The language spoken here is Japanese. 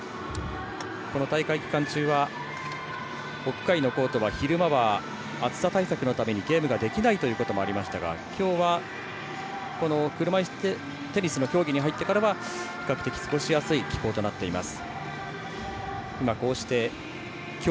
大会期間中は、屋外のコートは昼間は暑さ対策のためにゲームができないということもありましたがきょうは、車いすテニスの競技に入ってからは、比較的過ごしやすい気候となっています。